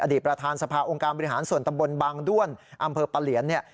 ประธานสภาองค์การบริหารส่วนตำบลบางด้วนอำเภอปะเหลียนเนี่ย